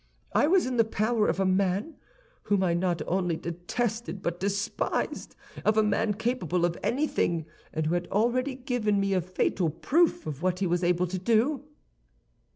I was in the power of a man whom I not only detested, but despised—of a man capable of anything, and who had already given me a fatal proof of what he was able to do."